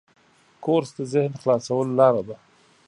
کورس د ذهن خلاصولو لاره ده.